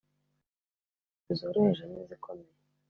Nzasenya inzu zoroheje n’izikomeye;